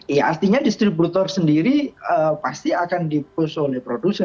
ya artinya distributor sendiri pasti akan dipusuh oleh produser